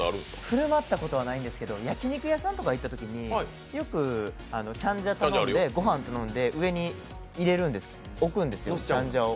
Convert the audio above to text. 振る舞ったことはないんですけど焼き肉屋さんとか行ったときによくチャンジャ頼んで、ご飯頼んで上に入れるんです、置くんです、チャンジャを。